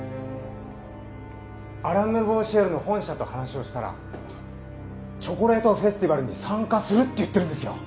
アラン・ヌーボー・シエルの本社と話をしたらチョコレートフェスティバルに参加するって言ってるんですよ。